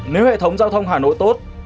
nếu hệ thống giao thông hà nội tốt